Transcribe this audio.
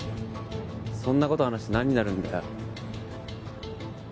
そんな事話して何になるんだよ。